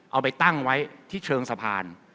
เอาไปตั้งไว้ที่เชิงสะพาน